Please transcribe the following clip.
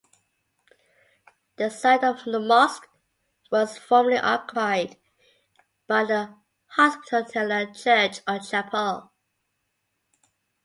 The site of the mosque was formerly occupied by the Hospitaller church or chapel.